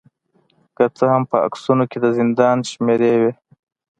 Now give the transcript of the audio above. که څه هم په عکسونو کې د زندان شمیرې وې